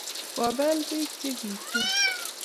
kibel beek che kikiyoi.